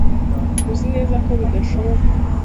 Uzi neza ko bidashoboka?